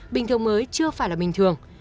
bình thường mới chưa phải là bình thường